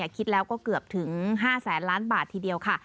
คิดแล้วก็เกือบถึง๕แสนล้านบาททีเดียวค่ะ